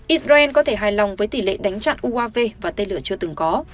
israel có thể hài lòng với tỷ lệ đánh chặn uav và tên lửa chưa từng có